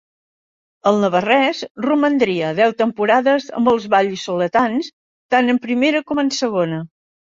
El navarrès romandria deu temporades amb els val·lisoletans, tant en Primera com en Segona.